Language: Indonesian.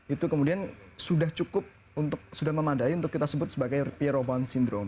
itu kemudian sudah cukup untuk sudah memadai untuk kita sebut sebagai pierobow syndrome